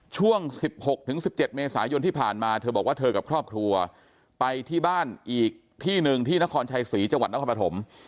ช่วง๑๖๑๗เมษายนที่ผ่านมาเธอบอกว่าเธอกับครอบครัวไปที่บ้านอีกที่หนึ่งที่นครชัยศรีจังหวัดนครปฐม